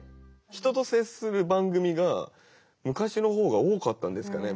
人と接する番組が昔の方が多かったんですかね。